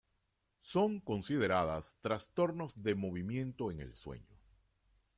Son consideradas trastornos de movimiento en el sueño.